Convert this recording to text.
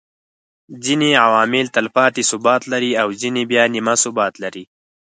ځيني عوامل تلپاتي ثبات لري او ځيني بيا نيمه ثبات لري